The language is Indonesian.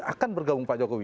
akan bergabung pak jokowi